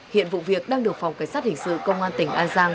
hiện vụ việc đang được phòng cảnh sát hình sự công an tỉnh an giang